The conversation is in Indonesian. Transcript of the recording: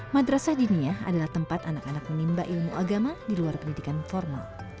madrasah dinia adalah tempat anak anak menimba ilmu agama di luar pendidikan formal